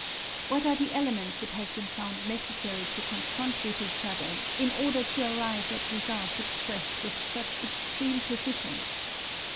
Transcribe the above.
What are the elements it has been found necessary to confront with each other in order to arrive at results expressed with such extreme precision?